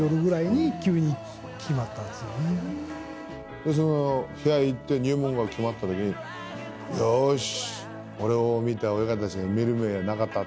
でその部屋行って入門が決まった時に「よし」。